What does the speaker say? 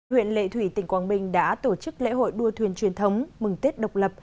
huyện lệ thủy tỉnh quảng bình đã tổ chức lễ hội đua thuyền truyền thống mừng tết độc lập